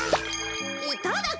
いただき！